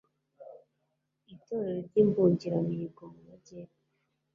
itorero ry'imbungiramihigo mu majyepfo